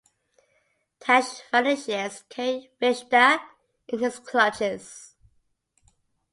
Tash vanishes, carrying Rishda in his clutches.